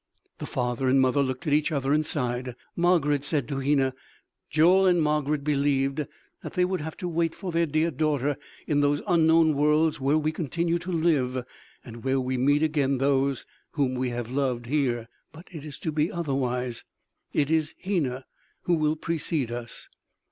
The father and mother looked at each other and sighed. Margarid said to Hena: "Joel and Margarid believed that they would have to wait for their dear daughter in those unknown worlds, where we continue to live and where we meet again those whom we have loved here.... But it is to be otherwise. It is Hena who will precede us."